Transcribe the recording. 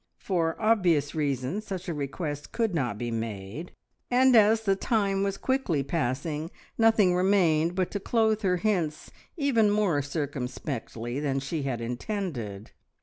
For obvious reasons such a request could not be made, and as the time was quickly passing nothing remained but to clothe her hints even more circumspectly than she had intended.